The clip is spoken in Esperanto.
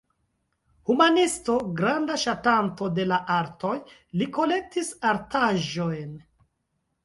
Humanisto, granda ŝatanto de la artoj, li kolektis artaĵojn.